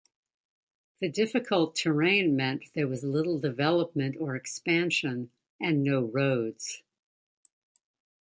The difficult terrain meant there was little development or expansion, and no roads.